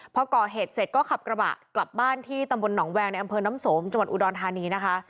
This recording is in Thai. พอก่อเหตุเสร็จก็ขับกระบะกลับบ้านที่ตำบลหนองแวงในอำเภอน้ำสมจังหวัดอุดรธานีนะคะ